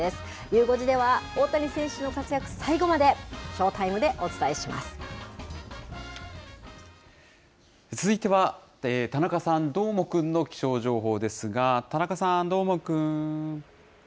ゆう５時では大谷選手の活躍、最後までショータイムでお伝えしま続いては、田中さん、どーもくんの気象情報ですが、田中さん、どーもくん。